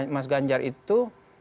mas ganjar itu